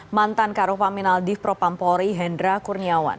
mantan karopaminal div propampori hendra kurniawan